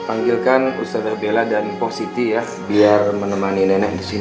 panggilkan ustadznya bella dan pos siti ya biar menemani nenek disini